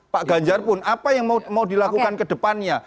pak ganjar pun apa yang mau dilakukan kedepannya